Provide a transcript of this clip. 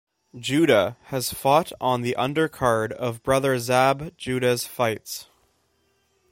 Judah has fought on the undercard of brother Zab Judah's fights.